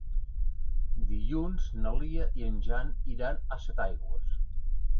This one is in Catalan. Dilluns na Lia i en Jan iran a Setaigües.